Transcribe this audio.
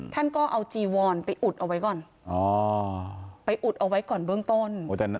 ท่านก็เอาจีวอน